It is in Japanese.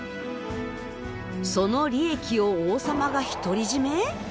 その利益を王様が独り占め？